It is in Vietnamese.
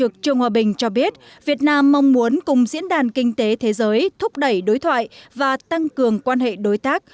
cho biết việt nam mong muốn cùng diễn đàn kinh tế thế giới thúc đẩy đối thoại và tăng cường quan hệ đối tác